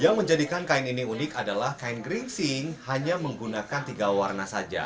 yang menjadikan kain ini unik adalah kain geringsing hanya menggunakan tiga warna saja